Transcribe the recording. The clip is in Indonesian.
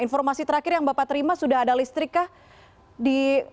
informasi terakhir yang bapak terima sudah ada listrik kah di